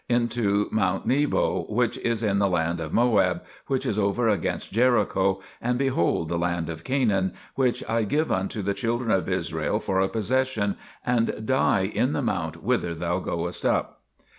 into Mount Nebo, which is in the land of Moab, that is over against Jericho, and behold the land of Canaan, which I give unto the children of Israel for a possession^ and die in the Mount whither thou goest up.